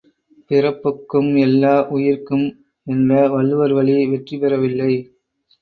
பிறப்பொக்கும் எல்லா உயிர்க்கும் என்ற வள்ளுவர்வழி வெற்றி பெறவில்லை.